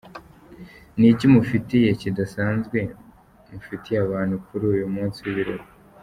Ni iki mufitiye kidasanzwe mufitiye abantu kuri uyu munsi w’ibirori ?.